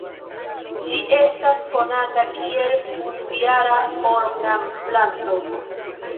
Ĝi estas konata kiel unujara ornamplanto.